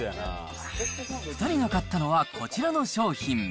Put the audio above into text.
２人が買ったのは、こちらの商品。